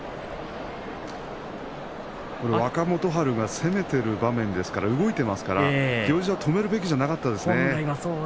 若元春が攻めている場面ですから行司は止めるべきではなかったですね。